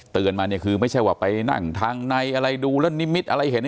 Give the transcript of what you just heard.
มาเนี่ยคือไม่ใช่ว่าไปนั่งทางในอะไรดูแล้วนิมิตอะไรเห็น